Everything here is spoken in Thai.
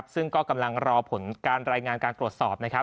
ซึ่งก็กำลังรอผลการรายงานการตรวจสอบนะครับ